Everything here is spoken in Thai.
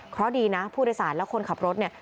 เพราะดีนะผู้โดยสารและคนขับรถเนี่ย